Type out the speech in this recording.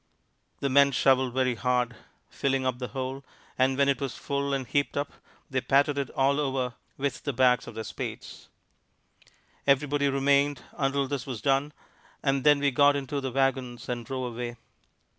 The men shoveled very hard, filling up the hole, and when it was full and heaped up, they patted it all over with the backs of their spades. Everybody remained until this was done, and then we got into the wagons and drove away.